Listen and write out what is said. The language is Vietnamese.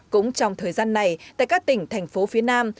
cũng trong thời gian này tại các tỉnh thành phố phía nam